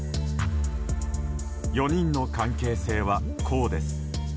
４人の関係性は、こうです。